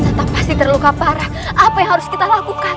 tetap pasti terluka parah apa yang harus kita lakukan